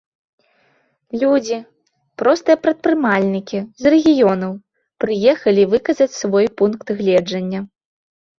Людзі, простыя прадпрымальнікі, з рэгіёнаў, прыехалі выказаць свой пункт гледжання.